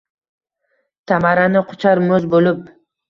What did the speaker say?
Tamarani quchar mo’z bo’lib.